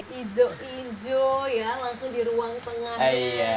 hijau hijau ya langsung di ruang tengah